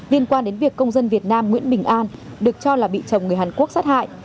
liên quan đến việc công dân việt nam nguyễn bình an được cho là bị chồng người hàn quốc sát hại